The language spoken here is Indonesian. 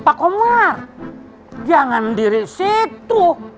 pak komar jangan diri situ